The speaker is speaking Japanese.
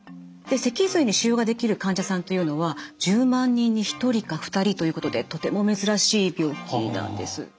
で脊髄に腫瘍ができる患者さんというのは１０万人に１人か２人ということでとても珍しい病気なんです。